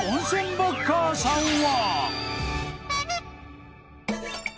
バッカーさんは］